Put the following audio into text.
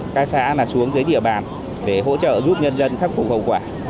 các xã xuống dưới địa bàn để hỗ trợ giúp nhân dân khắc phục hậu quả